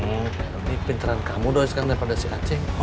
lebih pinteran kamu doi sekarang daripada si acing